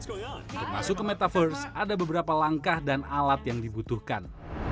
untuk masuk ke metaverse ada beberapa langkah dan alat yang dibutuhkan